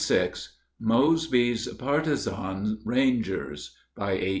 ] MOSBY'S "PARTIZAN RANGERS" BY A.